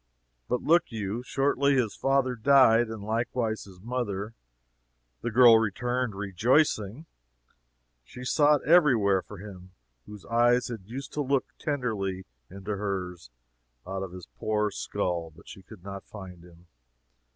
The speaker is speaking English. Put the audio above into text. But look you. Shortly his father died, and likewise his mother. The girl returned, rejoicing. She sought every where for him whose eyes had used to look tenderly into hers out of this poor skull, but she could not find him.